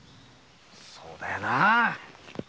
そうだよなぁ。